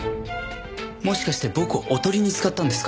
もしかして僕をおとりに使ったんですか？